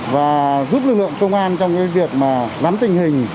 và giúp lực lượng công an trong việc lắm tình hình